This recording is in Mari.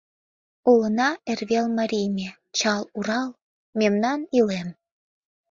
Улына эрвелмарий ме, Чал Урал — мемнан илем.